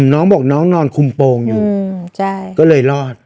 น้องบอกน้องนอนคุมโปรงอยู่ก็เลยรอด